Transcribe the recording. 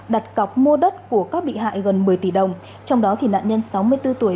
đặt cọc mua đất của các bị hại gần một mươi tỷ đồng trong đó nạn nhân sáu mươi bốn tuổi